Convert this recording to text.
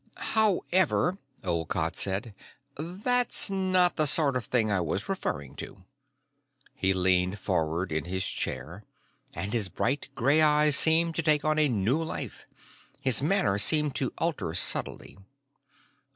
"However," Olcott said, "that's not the sort of thing I was referring to." He leaned forward in his chair, and his bright gray eyes seemed to take on a new life; his manner seemed to alter subtly.